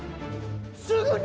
⁉すぐに！